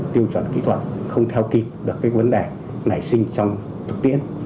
tiêu chuẩn kỹ thuật không theo kịp được cái vấn đề nảy sinh trong thực tiễn